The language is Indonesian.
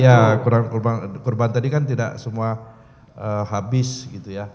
ya korban tadi kan tidak semua habis gitu ya